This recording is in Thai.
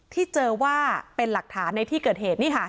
ที่เจอว่าเป็นหลักฐานในที่เกิดเหตุนี่ค่ะ